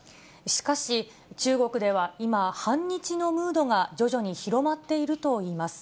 しかし、中国では今、反日のムードが徐々に広まっているといいます。